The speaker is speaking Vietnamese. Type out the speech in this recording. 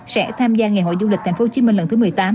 sẽ tham gia ngày hội du lịch tp hcm lần thứ một mươi tám